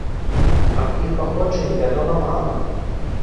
Аб іх паходжанні вядома мала.